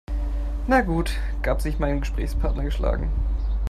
"Na gut", gab sich mein Gesprächspartner geschlagen.